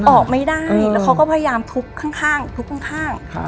ออกไม่ได้แล้วเขาก็พยายามทุกข้าง